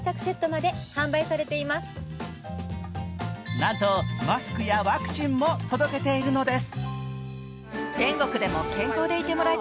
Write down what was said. なんとマスクやワクチンも届けているのです。